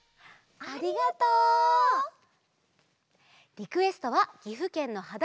リクエストはぎふけんのはだ